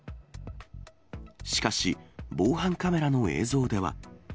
しかし、防犯カメラの映像では。